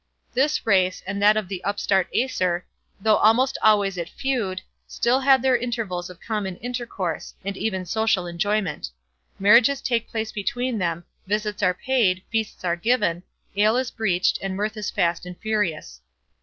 This race, and that of the upstart Aesir, though almost always at feud, still had their intervals of common intercourse, and even social enjoyment. Marriages take place between them, visits are paid, feasts are given, ale is breached, and mirth is fast and furious.